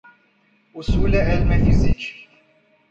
اصول علم فیزیک